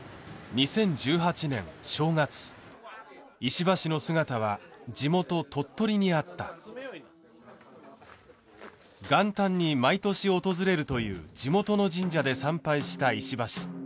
２０１８年正月石破氏の姿は地元・鳥取にあった元旦に毎年訪れるという地元の神社で参拝した石破氏